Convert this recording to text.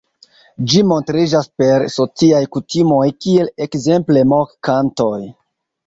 Ĝi montriĝas per sociaj kutimoj, kiel ekzemple mok-kantoj.